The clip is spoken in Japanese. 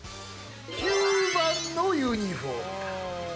９番のユニフォームだ。